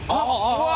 うわ！